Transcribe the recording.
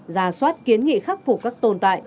già soát kiến nghị khắc phục các tồn tại